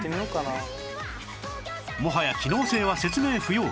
もはや機能性は説明不要